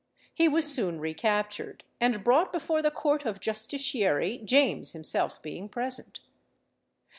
He was soon recaptured, and brought before the Court of Justiciary, James himself being present.